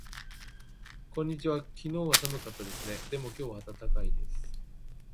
こんにちは。昨日は寒かったですね。でも今日は暖かいです。